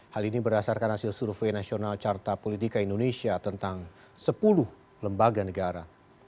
hal ini berdasarkan hasil survei nasional carta politika indonesia tentang sepuluh lembaga negara